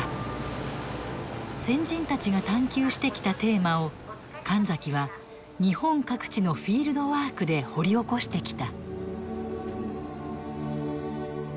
先人たちが探求してきたテーマを神崎は日本各地のフィールドワークで掘り起こしてきた。